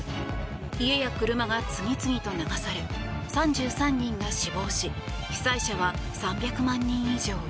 家や車が次々と流され３３人が死亡し被災者は３００万人以上。